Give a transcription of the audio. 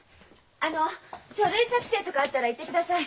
あの書類作成とかあったら言ってください。